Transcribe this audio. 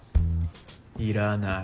いらない。